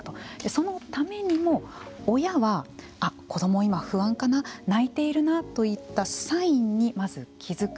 そのためにも親は、子どもは今、不安かな泣いているなといったサインにまず気付く。